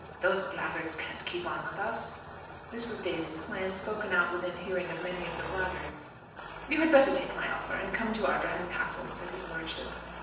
Those blackguards can't keep on with us." This was Daly's plan, spoken out within hearing of many of the blackguards. "You had better take my offer, and come to Ardrahan Castle," said his lordship.